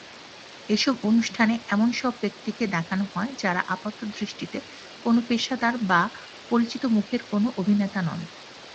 এসব অনুষ্ঠানে এমন সব ব্যক্তিকে দেখানোহয়, যারা আপাতদৃষ্টিতে কোন পেশাদার বা পরিচিত মুখের কোনও অভিনেতা নন।